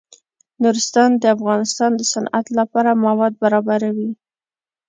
نورستان د افغانستان د صنعت لپاره مواد برابروي.